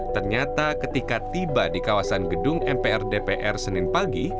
ternyata ketika tiba di kawasan gedung mpr dpr senin pagi